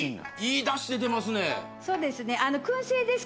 そうですね。